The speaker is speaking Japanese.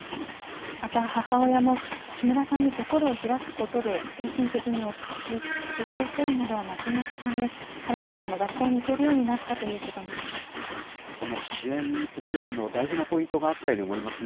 また母親も、木村さんに心を開くことで精神的に落ち着き、自傷行為などはなくなったため、はるなさんも学校に行けるように支援するうえでの大事なポイントがあったように思いますね。